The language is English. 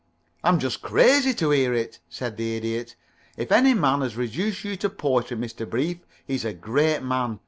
"I am just crazy to hear it," said the Idiot. "If any man has reduced you to poetry, Mr. Brief, he's a great man.